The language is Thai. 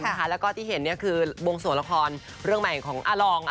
แล้วก็ที่เห็นเนี่ยคือโบงโสละครเรื่องใหม่ของอลอง